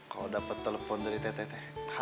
kalau dapat telepon dari teteh teh